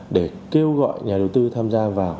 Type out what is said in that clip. để kêu gọi nhà đầu tư tham gia vào